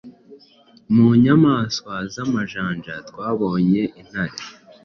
Mu nyamaswa z’amajanja twabonye intare,